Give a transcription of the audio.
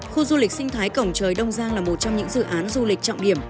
khu du lịch sinh thái cổng trời đông giang là một trong những dự án du lịch trọng điểm